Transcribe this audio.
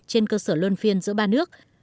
trên cơ sở luân phiên giữa ba nước